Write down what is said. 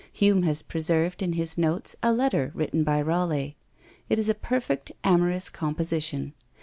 Hume has preserved in his notes a letter written by Raleigh. It is a perfect amorous composition.